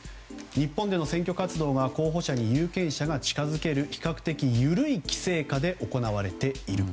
日本での選挙活動が候補者に有権者が近づける比較的緩い規制下で行われている。